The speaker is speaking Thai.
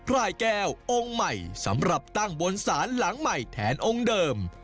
รายแก้วองค์ใหม่สำหรับตั้งบนศาลหลังใหม่แทนองค์เดิม